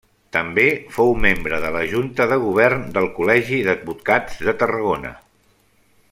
També fou membre de la junta de govern del Col·legi d'Advocats de Tarragona.